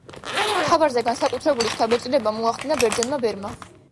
მთავარზე განსაკუთრებული შთაბეჭდილება მოახდინა ბერძენმა ბერმა.